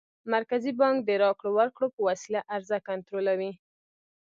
مرکزي بانک د راکړو ورکړو په وسیله عرضه کنټرولوي.